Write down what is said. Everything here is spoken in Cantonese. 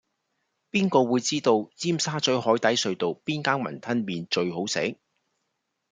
邊個會知道尖沙咀海底隧道邊間雲吞麵最好食